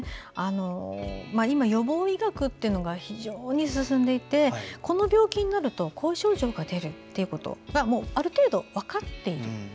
今、予防医学というのが非常に進んでいてこの病気になるとこういう症状が出るということがある程度、分かっている。